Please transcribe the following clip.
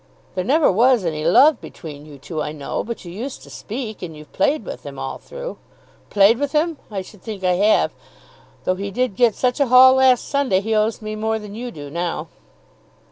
"There never was any love between you two, I know. But you used to speak, and you've played with him all through." "Played with him! I should think I have. Though he did get such a haul last Sunday he owes me more than you do now."